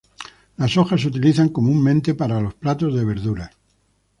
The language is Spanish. Las hojas se utilizan comúnmente para los platos de verduras.